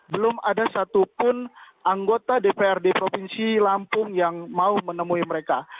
belum ada satupun anggota dprd provinsi lampung yang mau menemui mereka